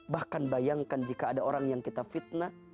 bahkan bayangkan jika ada orang yang kita fitnah